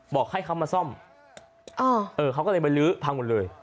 บอกให้เขามาซ่อมเขาก็เลยไปลื้อพังหมดเลย